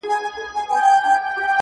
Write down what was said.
لکه انگور ښه را تاو سوی تر خپل ځان هم يم